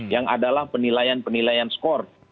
yang adalah penilaian penilaian skor